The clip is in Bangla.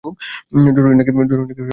জরুরী নাকি ধরে রাখতে পারবে?